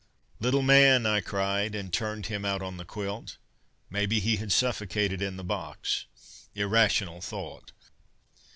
"Little Man!" I cried, and turned him out on the quilt. Maybe he had suffocated in the box. Irrational thought!